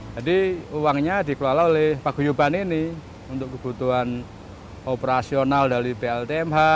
jadi uangnya dikelola oleh paguyuban ini untuk kebutuhan operasional dari pltmh